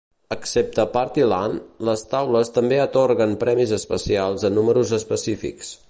Excepte a Party Land, les taules també atorguen premis especials a números específics.